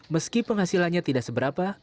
meski penghasilannya tidak seberapa